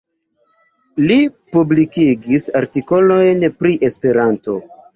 Li publikigis artikolojn pri Esperanto.